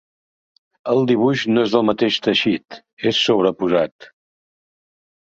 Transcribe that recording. El dibuix no és del mateix teixit: és sobreposat.